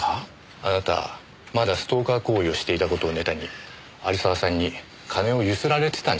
あなたまだストーカー行為をしていた事をネタに有沢さんに金をゆすられてたんじゃないですか？